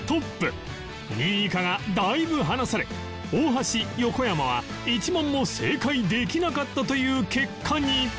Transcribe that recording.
２位以下がだいぶ離され大橋横山は１問も正解できなかったという結果に